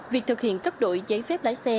việc thực hiện cấp đổi giấy phép lái xe